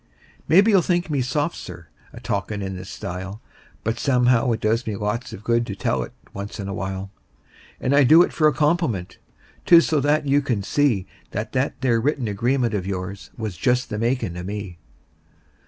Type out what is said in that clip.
Maybe you'll think me soft, Sir, a talkin' in this style, But somehow it does me lots of good to tell it once in a while; And I do it for a compliment 'tis so that you can see That that there written agreement of yours was just the makin' of me.